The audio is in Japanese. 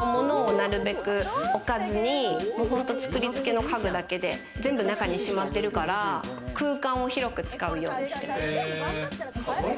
物をなるべく置かずに、作り付けの家具だけで全部中にしまってるから空間を広く使うようにしてます。